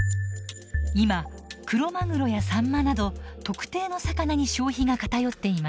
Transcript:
今クロマグロやサンマなど特定の魚に消費が偏っています。